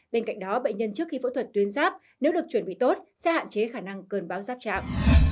bên cạnh đó bệnh nhân trước khi phẫu thuật tuyến giáp nếu được chuẩn bị tốt sẽ hạn chế khả năng cơn báo giáp chạm